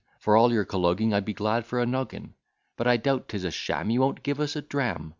For all your colloguing, I'd be glad for a knoggin: But I doubt 'tis a sham; you won't give us a dram.